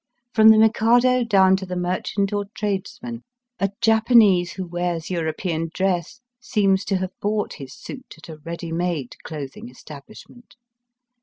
From the Mikado down to the merchant or tradesman, a Japanese who wears European dress seems to have bought his suit at a ready made clothing establishment.